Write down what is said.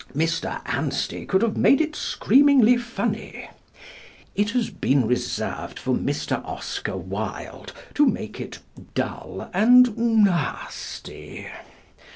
Mr. Anstey could have made it screamingly funny. It has been reserved for Mr. Oscar Wilde to make it dull and nasty.